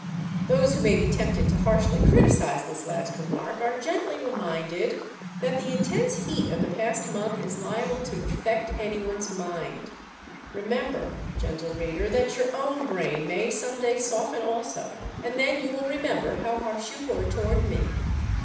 Those who may be tempted to harshly criticise this last remark, are gently reminded that the intense heat of the past month is liable to effect anyone's mind. Remember, gentle reader, that your own brain may some day soften also, and then you will remember how harsh you were toward me.